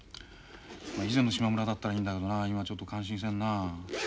まあ以前の島村だったらいいんだけどな今ちょっと感心せんな。